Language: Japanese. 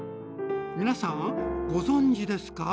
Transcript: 皆さんご存じですか？